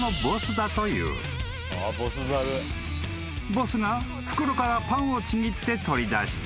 ［ボスが袋からパンをちぎって取り出した］